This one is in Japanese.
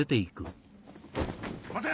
待て！